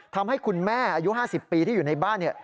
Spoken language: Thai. ทำให้คุณแม่อายุ๕๐ปีที่อยู่ในบ้าน